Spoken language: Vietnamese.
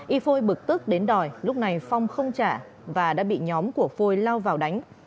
y phôi bực tức đến đòi lúc này phong không trả và đã bị nhóm của phôi lao vào đánh